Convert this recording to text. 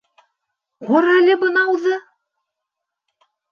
— Ҡара әле бынауҙы!